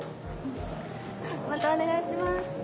またお願いします。